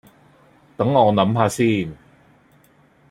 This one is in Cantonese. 等我諗吓先